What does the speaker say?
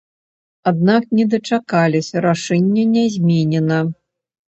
Аднак не дачакаліся, рашэнне не зменена.